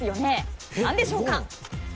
なんでしょうか？